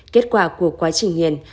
kết quả của quá trình nhiền